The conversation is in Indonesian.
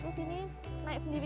terus ini naik sendiri